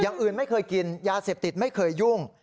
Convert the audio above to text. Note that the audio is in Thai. อย่างอื่นไม่เคยกินยาเสพติดไม่เคยยุ่ง